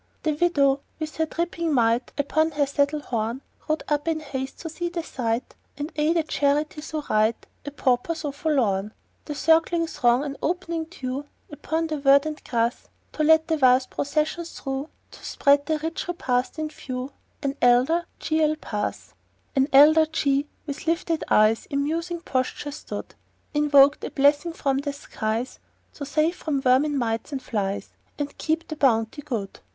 The widow, with her dripping mite Upon her saddle horn, Rode up in haste to see the sight And aid a charity so right, A pauper so forlorn. The circling throng an opening drew Upon the verdant grass To let the vast procession through To spread their rich repast in view, And Elder J. L. pass. Then Elder J. with lifted eyes In musing posture stood, Invoked a blessing from the skies To save from vermin, mites and flies, And keep the bounty good.